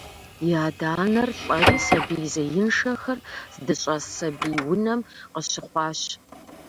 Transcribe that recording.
И адэ-анэр лӏэри сабий зеиншэхэр здыщӏэс «сабий унэм» къыщыхъуащ.